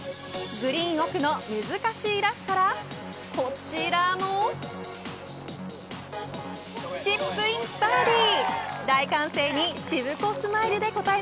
グリーン奥の難しいラフからこちらもチップインバーディ。